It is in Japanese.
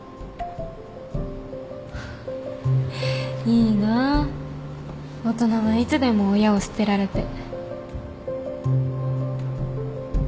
いいなあ大人はいつでも親を捨てられて。